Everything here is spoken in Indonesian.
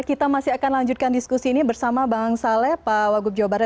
kita masih akan lanjutkan diskusi ini bersama bang saleh pak wagub jawa barat